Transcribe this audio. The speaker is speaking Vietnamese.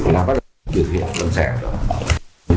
là bắt đầu diễn hiện